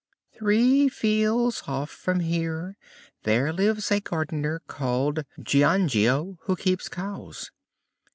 "Three fields off from here there lives a gardener called Giangio, who keeps cows.